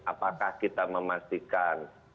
apakah kita memastikan